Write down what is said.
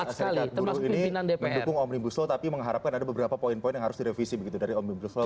jadi intinya asyikat buruh ini mendukung omnibus law tapi mengharapkan ada beberapa poin poin yang harus direvisi begitu dari omnibus law